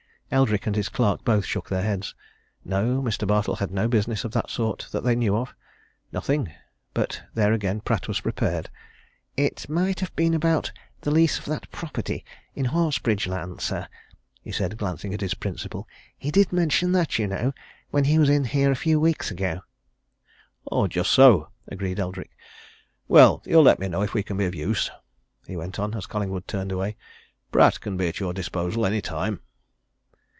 Eldrick and his clerk both shook their heads. No, Mr. Bartle had no business of that sort that they knew of. Nothing but there again Pratt was prepared. "It might have been about the lease of that property in Horsebridge Land, sir," he said, glancing at his principal. "He did mention that, you know, when he was in here a few weeks ago." "Just so," agreed Eldrick. "Well, you'll let me know if we can be of use," he went on, as Collingwood turned away. "Pratt can be at your disposal, any time."